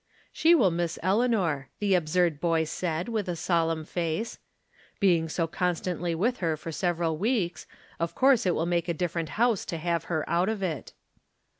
" She will miss Eleanor," the absurd boy said, with a solemn face. " Being so constantly with her for several weeks, of course it will make a different house to have her out of it."